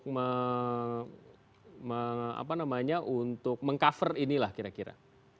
apa yang akan dilakukan oleh pihak kang emil untuk meng cover inilah kira kira